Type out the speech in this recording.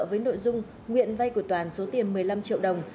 với nội dung nguyện vay của toàn số tiền một mươi năm triệu đồng